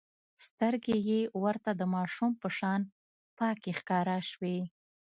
سترګې يې ورته د ماشوم په شان پاکې ښکاره شوې.